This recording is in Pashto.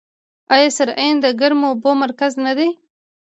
آیا سرعین د ګرمو اوبو مرکز نه دی؟